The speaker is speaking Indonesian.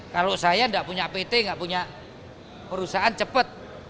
kalau saya enggak punya pt enggak punya perusahaan cepat